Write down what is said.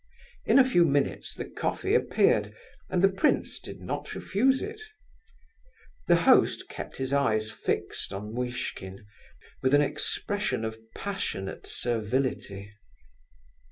In a few minutes the coffee appeared, and the prince did not refuse it. The host kept his eyes fixed on Muishkin, with an expression of passionate servility.